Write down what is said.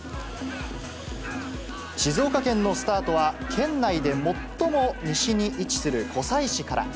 静岡県のスタートは、県内で最も西に位置する湖西市から。